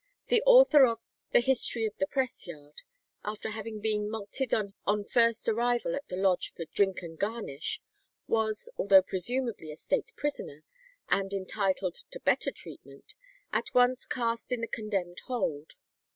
The author of the "History of the Press yard," after having been mulcted on first arrival at the lodge for drink and "garnish," was, although presumably a State prisoner, and entitled to better treatment, at once cast in the condemned hold.